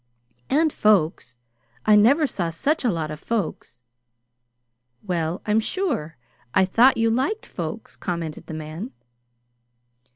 And folks. I never saw such a lot of folks." "Well, I'm sure I thought you liked folks," commented the man.